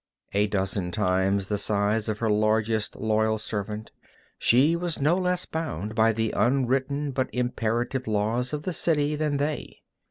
A dozen times the size of her largest loyal servant, she was no less bound by the unwritten but imperative laws of the city than they.